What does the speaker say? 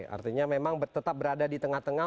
artinya memang tetap berada di tengah tengah